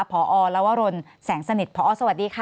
พอลวรนแสงสนิทพอสวัสดีค่ะ